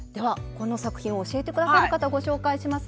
この作品を教えて下さる方ご紹介します。